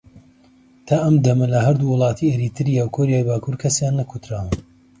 تا ئەم دەمە لە هەردوو وڵاتی ئەریتریا و کۆریای باکوور کەسیان نەکوتراون